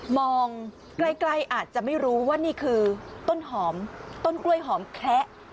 มองใกล้อาจจะไม่รู้ว่านี่คือต้นหอมต้นกล้วยหอมแคละ